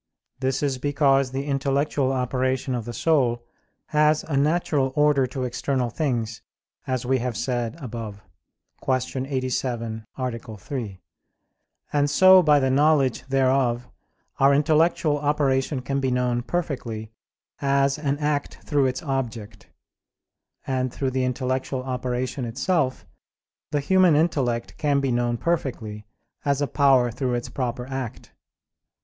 This is because the intellectual operation of the soul has a natural order to external things, as we have said above (Q. 87, A. 3): and so by the knowledge thereof, our intellectual operation can be known perfectly, as an act through its object. And through the intellectual operation itself, the human intellect can be known perfectly, as a power through its proper act.